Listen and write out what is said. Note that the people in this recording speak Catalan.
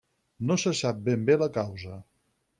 No se sap ben bé la causa.